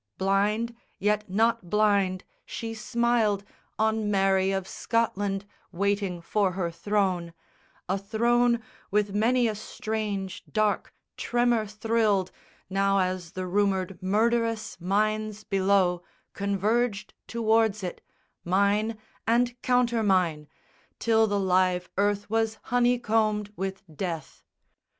Blind, yet not blind, she smiled On Mary of Scotland waiting for her throne, A throne with many a strange dark tremor thrilled Now as the rumoured murderous mines below Converged towards it, mine and countermine, Till the live earth was honeycombed with death.